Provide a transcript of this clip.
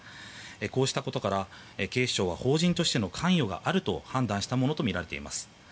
こうしたことから警視庁は法人としての関与があると判断したものとみられています。